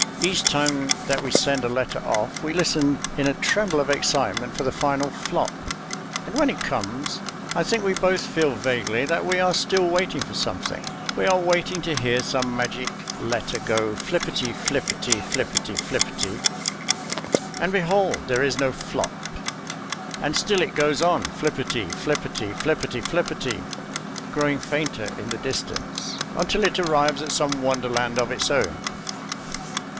Each time that we send a letter off we listen in a tremble of excitement for the final FLOP, and when it comes I think we both feel vaguely that we are still waiting for something. We are waiting to hear some magic letter go flipperty flipperty flipperty flipperty ... and behold! there is no FLOP ... and still it goes on flipperty flipperty flipperty flipperty growing fainter in the distance ... until it arrives at some wonderland of its own.